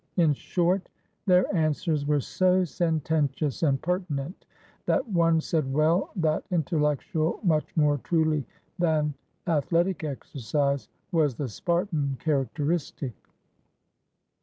In short, their answers were so sententious and pertinent, that one said well that intellectual much more truly than ath letic exercise was the Spartan characteristic.